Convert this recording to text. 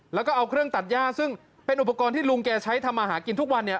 แล้วก็เอาเครื่องตัดย่าซึ่งเป็นอุปกรณ์ที่ลุงแกใช้ทำมาหากินทุกวันเนี่ย